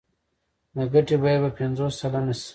د ګټې بیه به پنځوس سلنه شي